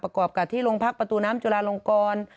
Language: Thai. ประกอบกับที่โรงพักประตูน้ำจุลาลงกร